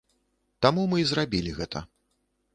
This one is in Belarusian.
Таму мы і зрабілі гэта.